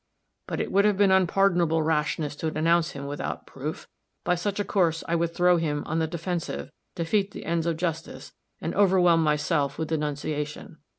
But it would have been unpardonable rashness to denounce him without proof; by such a course I would throw him on the defensive, defeat the ends of justice, and overwhelm myself with denunciation.